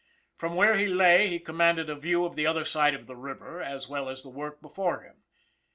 From where he lay, he com manded a view of the other side of the river as well as the work before him.